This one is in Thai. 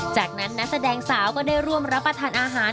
จากนั้นนักแสดงสาวก็ได้ร่วมรับประทานอาหาร